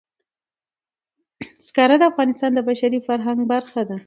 زغال د افغانستان د بشري فرهنګ برخه ده.